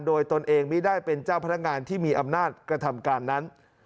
โดยตนเองไม่ได้เป็นเจ้าพนักงานที่มีอำนาจกระทำการนั้น